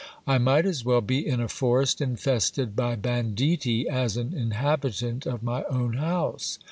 I might as well be in a forest infested by banditti, as an inhabitant of my own house.